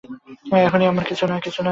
এখন আমার কিছুই নেই।